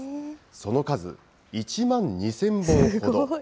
その数１万２０００本ほど。